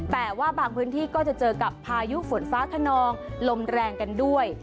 แต่ว่าบางพื้นที่ก็จะเจอกับพายุฝนฟ้าขนองลมแรงกันด้วย